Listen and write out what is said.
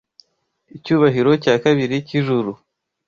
Icyubahiro cya kabiri cyijuru?